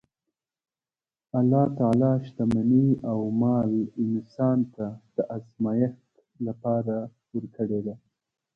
الله تعالی شتمني او مال انسان ته د ازمایښت لپاره ورکړې ده.